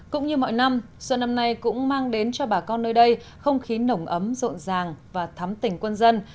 cũng như mọi năm xuân năm nay cũng mang đến cho bà con nơi đây không khí nồng ấm rộn ràng và thắm tỉnh quân dân